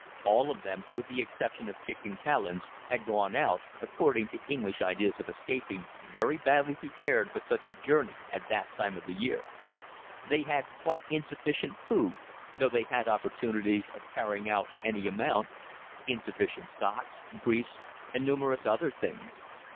All of them, with the exception of Kicq and Callens, had gone out (according to English ideas of escaping) very badly prepared for such a journey at that time of year. They had quite insufficient food (though they had opportunities of carrying out any amount), insufficient socks, grease, and numerous other things.